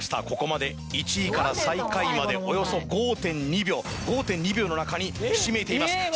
ここまで１位から最下位までおよそ５．２秒５．２秒の中にひしめいています。